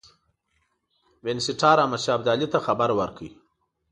وینسیټار احمدشاه ابدالي ته خبر ورکړ.